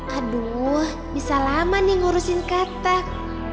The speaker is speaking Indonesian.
aduh bisa lama nih ngurusin katak